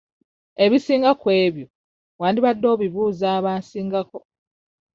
Ebisinga ku ebyo wandibadde obibuuza abansingako.